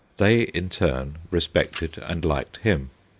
They in turn respected and liked him.